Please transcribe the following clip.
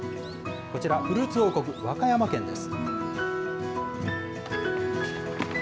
こちら、フルーツ王国、和歌山県です。